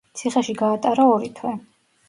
ციხეში გაატარა ორი თვე.